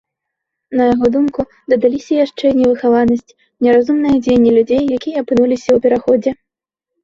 На яго думку, дадаліся яшчэ і нявыхаванасць, неразумныя дзеянні людзей, якія апынуліся ў пераходзе.